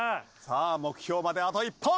さあ目標まであと１本。